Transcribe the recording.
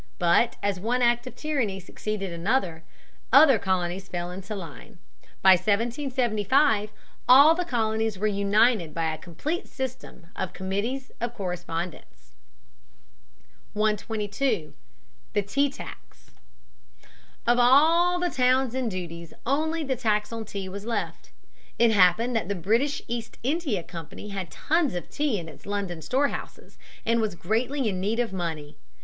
But as one act of tyranny succeeded another, other colonies fell into line. By 1775 all the colonies were united by a complete system of Committees of Correspondence. [Sidenote: The tax on tea. McMaster, 119.] 122. The Tea Tax. Of all the Townshend duties only the tax on tea was left. It happened that the British East India Company had tons of tea in its London storehouses and was greatly in need of money.